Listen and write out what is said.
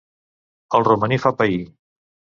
El romaní fa pair.